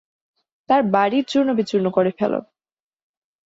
তার বাড়ি চূর্ণবিচূর্ণ করে ফেলো।